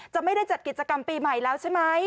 ไม่ได้จัดกิจกรรมปีใหม่แล้วใช่ไหม